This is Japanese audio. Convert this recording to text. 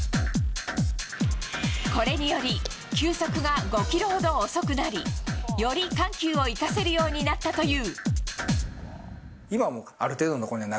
これにより球速が５キロほど遅くなりより緩急を生かせるようになったという。